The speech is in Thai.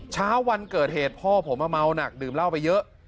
เช้าวันเกิดเหตุพ่อผมมาเมาหนักดื่มเหล้าไปเยอะ